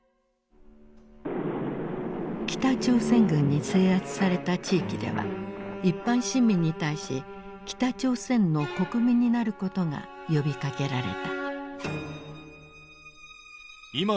北朝鮮軍に制圧された地域では一般市民に対し北朝鮮の国民になることが呼びかけられた。